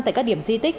tại các điểm di tích